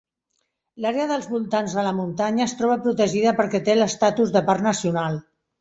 L'àrea dels voltants de la muntanya es troba protegida perquè té l'estatus de parc nacional.